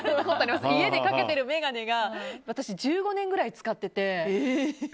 家でかけてる眼鏡が私、１５年くらい使ってて。